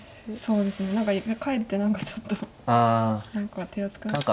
そうですねかえって何かちょっと何か手厚くなっちゃう。